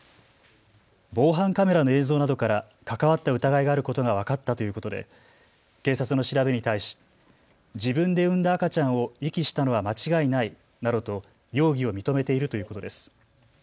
防犯カメラの映像などから関わった疑いがあることが分かったということで警察の調べに対し自分で産んだ赤ちゃんを遺棄したのは間違いないなどと容疑を認めているということです。